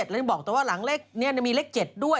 แล้วยังบอกแต่ว่าหลังเลขนี้มีเลข๗ด้วย